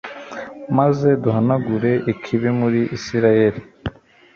maze duhanagure ikibi muri israheli